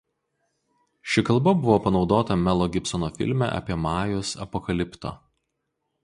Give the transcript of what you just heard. Ši kalba buvo panaudota Melo Gibsono filme apie majus „Apokalipto“.